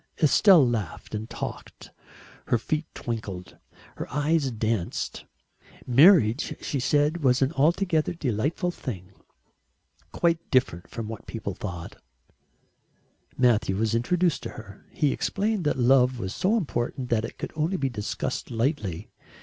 Estelle laughed and talked, her feet twinkled, her eyes danced. Marriage, she said, was an altogether delightful thing, quite different from what people thought Matthew was introduced to her. He explained that love was so important that it could only be discussed lightly.